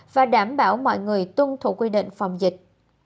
và đảm bảo mọi người tuân thủ quy định phòng dịch